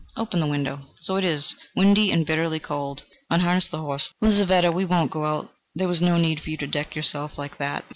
Open the window. So it is: windy and bitterly cold. Unharness the horses. Lizaveta, we won't go out there was no need for you to deck yourself like that."